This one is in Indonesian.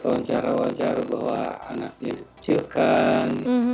wajar wajar bahwa anaknya dikecilkan